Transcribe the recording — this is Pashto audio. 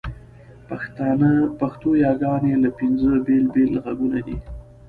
پښتو یاګاني پینځه بېل بېل ږغونه دي.